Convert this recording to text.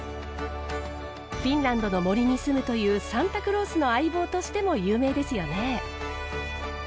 フィンランドの森に住むというサンタクロースの相棒としても有名ですよね。